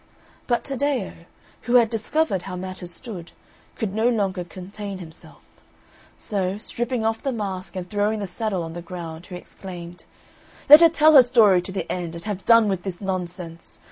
But Taddeo, who had discovered how matters stood, could no longer contain himself; so, stripping off the mask and throwing the saddle on the ground, he exclaimed, "Let her tell her story to the end, and have done with this nonsense.